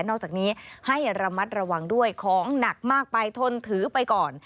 อกจากนี้ให้ระมัดระวังด้วยของหนักมากไปทนถือไปก่อน